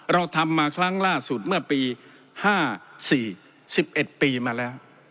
เราทำมาครั้งล่าสุดเมื่อปี๕๔๑๑ปีมาแล้ว